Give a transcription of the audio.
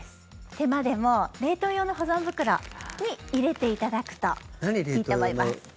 手間でも冷凍用の保存袋に入れていただくといいと思います。